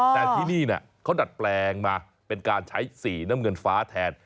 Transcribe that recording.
แต่ที่นี่เขาดัดแปลงมาเป็นการใช้สีน้ำเงินฟ้าแทน